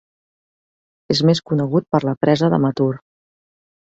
És més conegut per la presa de Mettur.